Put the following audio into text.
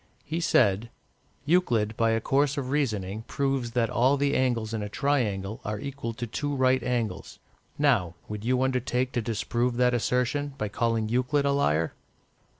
He said "Euclid, by a course of reasoning, proves that all the angles in a triangle are equal to two right angles; now, would you undertake to disprove that assertion by calling Euclid a liar?"